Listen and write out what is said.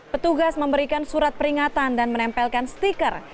petugas memberikan surat peringatan dan menempelkan stiker